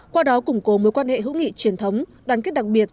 qua đó củng cố mối quan hệ hữu nghị truyền thống đoàn kết đặc biệt